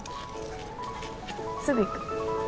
すぐ行く。